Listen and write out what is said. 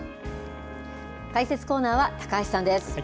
解説コーナーは高橋さんです。